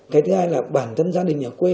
cái thứ hai là bản thân gia đình ở quê